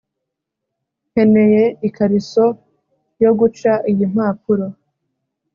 nkeneye ikariso yo guca iyi mpapuro